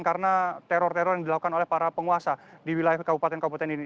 karena teror teror yang dilakukan oleh para penguasa di wilayah kabupaten kabupaten ini